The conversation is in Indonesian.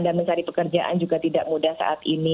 dan mencari pekerjaan juga tidak mudah saat ini